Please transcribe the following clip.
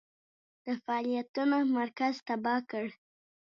د فعالیتونو مرکز تباه کړ.